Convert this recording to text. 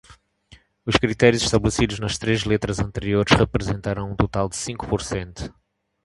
Os critérios estabelecidos nas três letras anteriores representarão um total de cinco por cento.